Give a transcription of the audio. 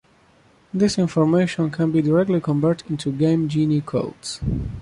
This information can be directly converted into Game Genie codes.